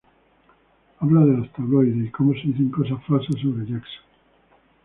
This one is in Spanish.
Habla de los tabloides y como se dicen cosas falsas sobre Jackson.